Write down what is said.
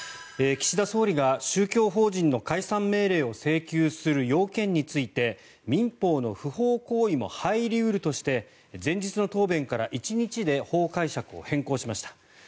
岸田総理が宗教法人の解散命令を請求する要件について民法の不法行為も入り得るとして前日の答弁から１日で法解釈を変更しました。